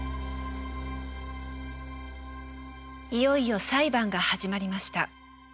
いよいよ裁判が始まりました。